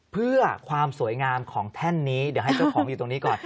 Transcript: เพื่อความสวยงามของแท่นนี้เดี๋ยวให้เจ้าของอยู่ตรงนี้ก่อน